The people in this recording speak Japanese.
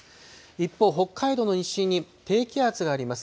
一方、北海道の西に低気圧があります。